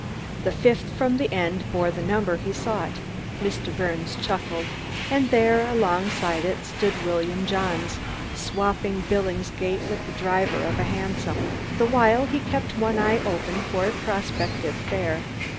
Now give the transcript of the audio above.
The fifth from the end bore the number he sought Mr. Birnes chuckled; and there, alongside it, stood William Johns, swapping Billingsgate with the driver of a hansom, the while he kept one eye open for a prospective fare.